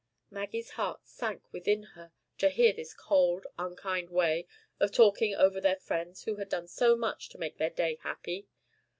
Maggie's heart sank within her to hear this cold, unkind way of talking over the friends who had done so much to make their day happy.